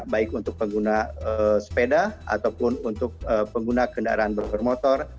baik untuk pengguna sepeda ataupun untuk pengguna kendaraan bermotor